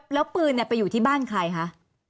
แล้วปืนไปอยู่ที่บ้านใครคะ